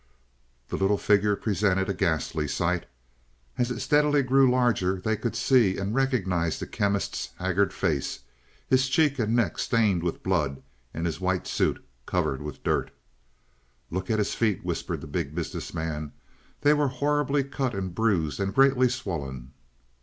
The little figure presented a ghastly sight. As it steadily grew larger they could see and recognize the Chemist's haggard face, his cheek and neck stained with blood, and his white suit covered with dirt. "Look at his feet," whispered the Big Business Man. They were horribly cut and bruised and greatly swollen.